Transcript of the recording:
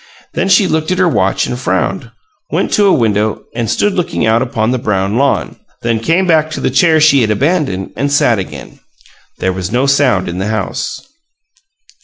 Then she looked at her watch and frowned; went to a window and stood looking out upon the brown lawn, then came back to the chair she had abandoned, and sat again. There was no sound in the house.